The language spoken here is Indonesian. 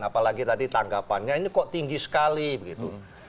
apalagi tadi tanggapannya ini kok tinggi sekali begitu